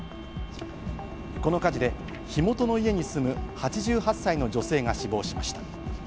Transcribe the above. この火事で火元の家に住む８８歳の女性が死亡しました。